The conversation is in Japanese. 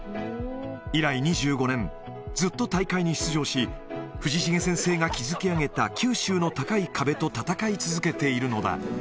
以来２５年、ずっと大会に出場し、藤重先生が築き上げた九州の高い壁と戦い続けているのだ。